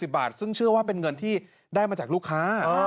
บาทซึ่งเชื่อว่าเป็นเงินที่ได้มาจากลูกค้า